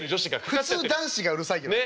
普通男子がうるさいけどね。